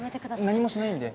何もしないんで